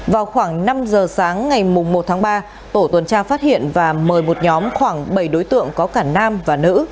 vào khoảng năm giờ sáng ngày một tháng ba tổ tuần tra phát hiện và mời một nhóm khoảng bảy đối tượng có cả nam và nữ